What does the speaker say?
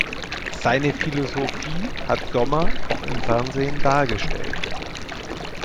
Seine Philosophie hat Sommer auch im Fernsehen dargestellt.